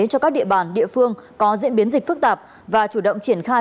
cho các địa bàn địa phương có diễn biến dịch phức tạp và chủ động triển khai